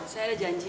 saya ada janji